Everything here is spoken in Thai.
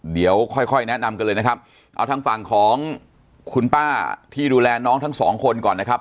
เดี๋ยวค่อยค่อยแนะนำกันเลยนะครับเอาทางฝั่งของคุณป้าที่ดูแลน้องทั้งสองคนก่อนนะครับ